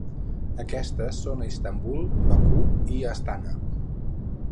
Aquestes són a Istanbul, Bakú i Astana.